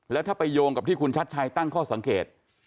แล้วถ้าไปโยงกับที่คุณชัดชัยตั้งข้อสังเกต